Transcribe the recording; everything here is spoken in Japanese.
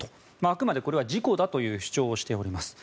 あくまでこれは事故だという主張をしております。